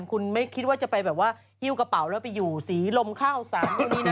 คุณไม่คิดว่าจะไปแบบว่าหิ้วกระเป๋าแล้วไปอยู่สีลมข้าวสารพวกนี้นะ